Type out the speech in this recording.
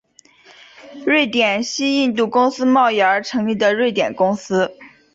瑞典西印度公司贸易而成立的瑞典公司。